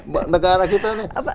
buat negara kita nih